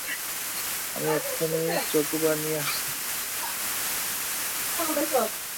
আমি এক্ষুণি চকোবার নিয়ে আসছি।